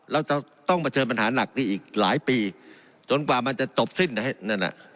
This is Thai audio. เราจะต้องเผชิญปัญหาหนักนี่อีกหลายปีจนกว่ามันจะจบสิ้นนั่นน่ะ